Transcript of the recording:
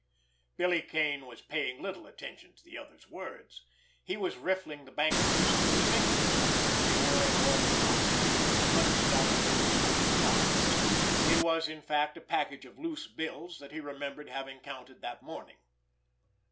Billy Kane was paying little attention to the other's words; he was riffling the banknotes through his fingers—they were of all denominations, from hundred dollar bills down to fives. It was, in fact, a package of loose bills that he remembered having counted that morning.